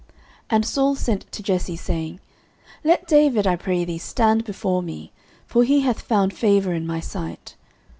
09:016:022 And Saul sent to Jesse, saying, Let David, I pray thee, stand before me; for he hath found favour in my sight.